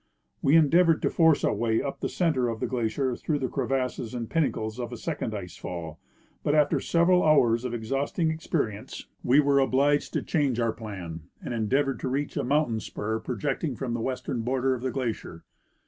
We endeavored to force our way up the center of the glacier through the crevasses and pinnacles of a second ice fall : but after several hours of exhausting experience we were Scaling Rope Cliff. 149 obliged to change our plan, and endeavored to reach a mountain spur projecting from the western border of the glacier.